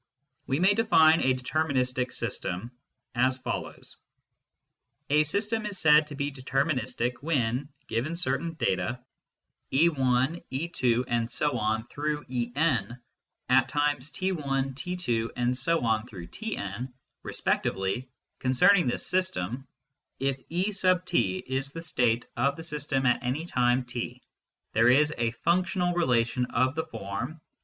We may define a deterministic system as follows : A system is said to be " deterministic " when, given certain data, e v e 2 ,..., e M , at times t lt tf a ,..., t n respec tively, concerning this system, if E, is the state of the system at any time t, there is a functional relation of the form